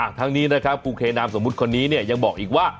ทั้งนี้นะครับครูเคนามสมมุติคนนี้เนี่ยยังบอกอีกว่า